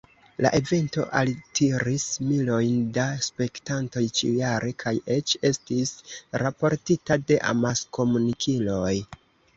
La evento altiris milojn da spektantoj ĉiujare kaj eĉ estis raportita de amaskomunikiloj.